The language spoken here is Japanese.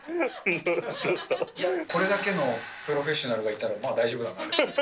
これだけのプロフェッショナルがいたら、もう大丈夫だなと。